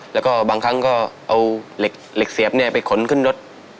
แล้วก็บางครั้งก็เอาเหล็กเสียบไปขนขึ้นรถ